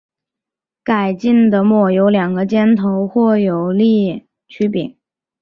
改进的耒有两个尖头或有省力曲柄。